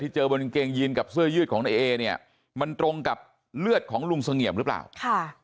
เจอบนกางเกงยีนกับเสื้อยืดของนายเอเนี่ยมันตรงกับเลือดของลุงเสงี่ยมหรือเปล่าค่ะ